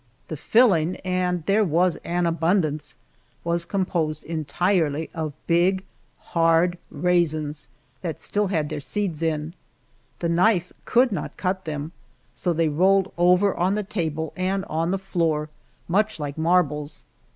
The filling and there was an abundance was composed entirely of big, hard raisins that still had their seeds in. The knife could not cut them, so they rolled over on the table and on the floor, much like marbles.